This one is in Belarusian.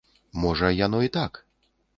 Можа, яно і так.